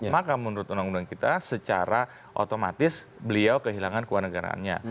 maka menurut undang undang kita secara otomatis beliau kehilangan keluarga negaraannya